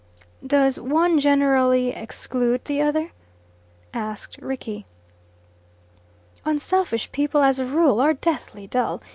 "Does one generally exclude the other?" asked Rickie. "Unselfish people, as a rule, are deathly dull.